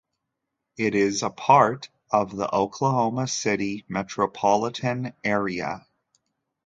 It is a part of the Oklahoma City Metropolitan Area.